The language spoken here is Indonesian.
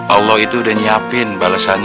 allah itu udah nyiapin balesannya